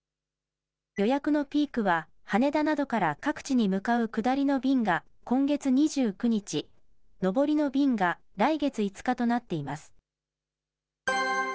予約のピークは、羽田などから各地に向かう下りの便が今月２９日、上りの便が来月５日となっています。